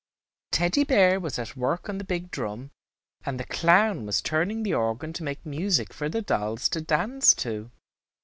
Teddy Bear was at work on the big drum, and the clown was turning the organ to make music for the dolls to dance to.